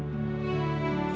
ayah yang memaksamu